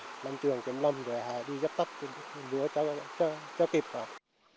rồi đi dấp tấp cho kịp